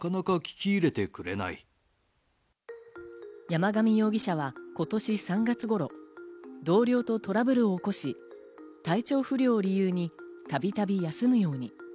山上容疑者は今年３月頃、同僚とトラブルを起こし、体調不良を理由にたびたび休むように。